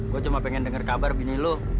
gue cuma pengen denger kabar bini lu